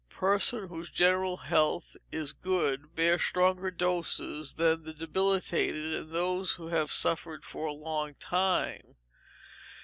Persons whose general health is good bear stronger doses than the debilitated and those who have suffered for a long time.